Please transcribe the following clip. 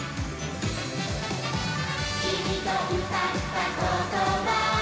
「きみとうたったことは」